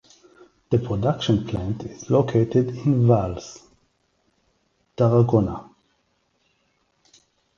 The production plant is located in Valls (Tarragona).